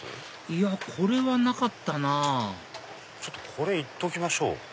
いやこれはなかったなぁこれいっときましょう。